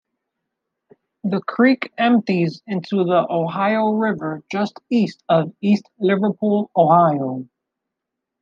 The creek empties into the Ohio River just east of East Liverpool, Ohio.